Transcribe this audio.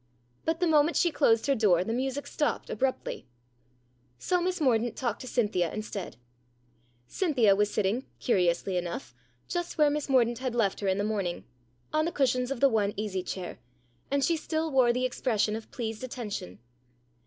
But the moment she closed her door the music stopped abruptly. So Miss Mor daunt talked to Cynthia instead. Cynthia was sitting, curiously enough, just where Miss Mordaunt had left her in the morning on the cushions of the one easy chair and she still wore the expres sion of pleased attention.